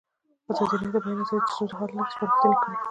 ازادي راډیو د د بیان آزادي د ستونزو حل لارې سپارښتنې کړي.